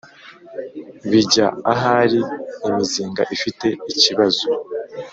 Bijya ahari imizinga ifite ikibazo